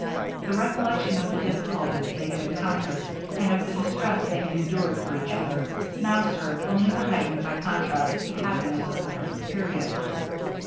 The recollection of the difficulties they had encountered, and of the distress they had endured for each other, now served only to heighten by contrast the happiness of the present period.